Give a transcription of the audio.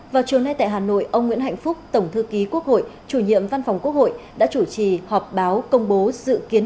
vào chiều nay tại hà nội ông nguyễn hạnh phúc tổng thư ký quốc hội chủ nhiệm văn phòng quốc hội đã chủ trì họp báo công bố dự kiến